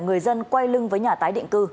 người dân quay lưng với nhà tái định cư